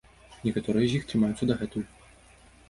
Некаторыя з іх трымаюцца дагэтуль.